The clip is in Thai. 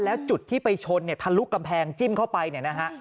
แล้วจุดที่ไปชนเนี่ยทะลุกำแพงจิ้มเข้าไปเนี่ยนะฮะ